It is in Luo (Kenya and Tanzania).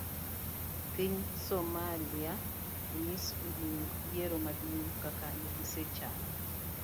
Piny somalia onyis oluong yiero maduong' kaka negisechano.